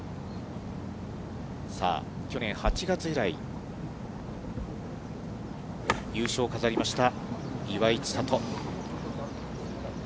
さあ、去年８月以来、優勝を飾りました岩井千怜。